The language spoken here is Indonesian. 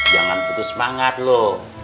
jangan putus semangat lu